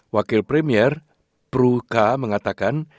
wakil premier pru kha mengatakan